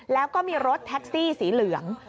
แล้วก็มีรถแท็กซี่สีเหลือง